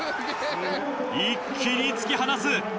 一気に突き放す。